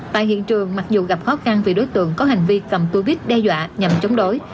tại hiện trường mặc dù gặp khó khăn vì đối tượng có hành vi cầm túi bích đe dọa nhằm chống đối